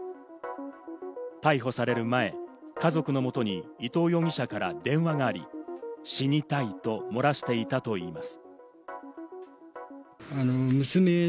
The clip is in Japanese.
逮捕される前、家族のもとに伊藤容疑者から電話があり、死にたいと漏らしていたといいます。